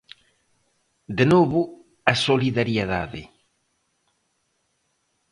De novo a solidariedade.